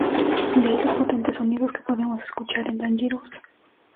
De ahí los potentes sonidos que podemos escuchar en "Dangerous".